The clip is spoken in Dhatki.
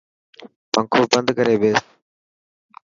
پنکو بند ڪري ٻيس.